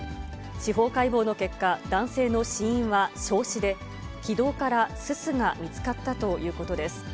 司法解剖の結果、男性の死因は焼死で、気道からすすが見つかったということです。